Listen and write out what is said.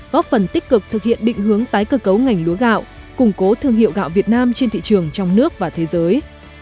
góp phần tích cực thực hiện định hướng tái cơ cấu ngành lúa gạo củng cố thương hiệu gạo việt nam trên thị trường trong nước và thế giới